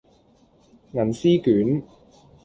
銀絲卷